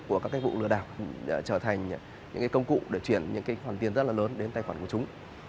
của các vụ lừa đảo trở thành những công cụ để chuyển những khoản tiền rất là lớn đến tài khoản của chúng